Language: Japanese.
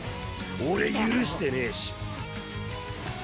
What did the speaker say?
俺許してねえし。